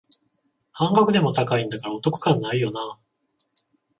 半額でも高いんだからお得感ないよなあ